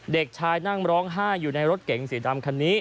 เด็กชายนั่งร้องไห้อยู่ในรถเก๋งสีดำคันนี้